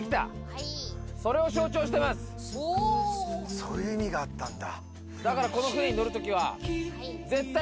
そういう意味があったんだ